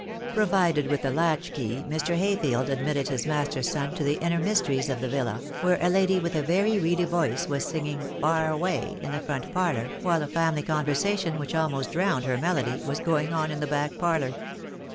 Provided with a latch key, Mr. Hayfield admitted his master's son to the inner mysteries of the villa, where a lady with a very reedy voice was singing "Far away," in the front parlour, while a family conversation which almost drowned her melody was going on in the back parlour.